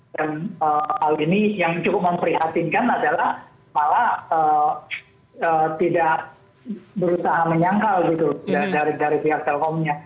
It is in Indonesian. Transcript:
dan hal ini yang cukup memprihatinkan adalah malah tidak berusaha menyangkal dari pihak telkomnya